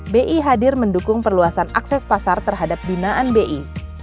bi hadir mendukung perluasan akses pasar terhadap binaan bi